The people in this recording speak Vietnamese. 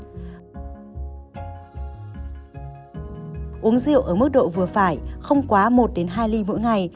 uống rượu ở mức độ vừa phải không quá một hai ly mượn